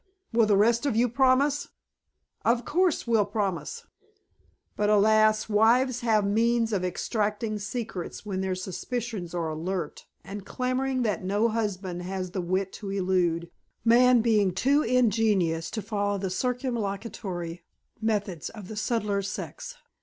Will the rest of you promise?" "Of course we'll promise." But alas, wives have means of extracting secrets when their suspicions are alert and clamoring that no husband has the wit to elude, man being too ingenuous to follow the circumlocutory methods of the subtler sex.